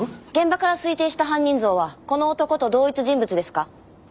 現場から推定した犯人像はこの男と同一人物ですか？